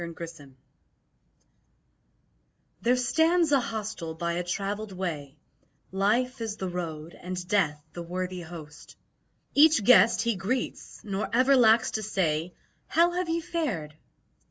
Mine Host There stands a hostel by a travelled way; Life is the road and Death the worthy host; Each guest he greets, nor ever lacks to say, "How have ye fared?"